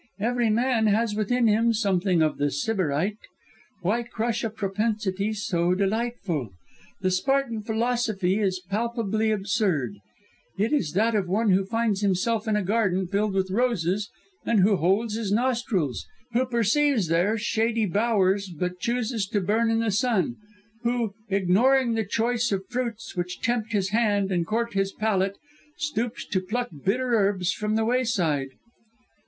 Every man has within him something of the Sybarite. Why crush a propensity so delightful? The Spartan philosophy is palpably absurd; it is that of one who finds himself in a garden filled with roses and who holds his nostrils; who perceives there shady bowers, but chooses to burn in the sun; who, ignoring the choice fruits which tempt his hand and court his palate, stoops to pluck bitter herbs from the wayside!"